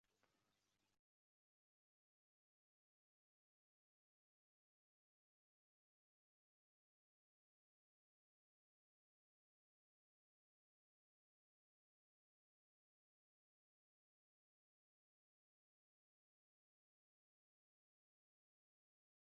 Ammo eri ichkilikka berilgan ayol dunyodagi eng baxtsiz, eng g‘amgin, bechora ayoldir.